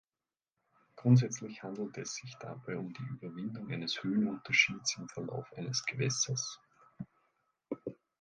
Grundsätzlich handelt es sich dabei um die Überwindung eines Höhenunterschieds im Verlauf eines Gewässers.